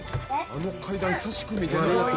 あの階段久しく見てない。